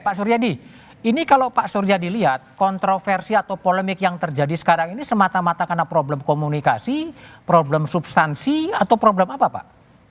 pak suryadi ini kalau pak suryadi lihat kontroversi atau polemik yang terjadi sekarang ini semata mata karena problem komunikasi problem substansi atau problem apa pak